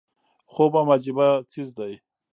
خوب هم عجيبه څيز دی